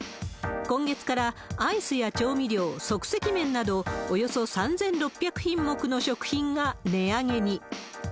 今月からアイスや調味料、即席麺など、およそ３６００品目の食品が値上げに。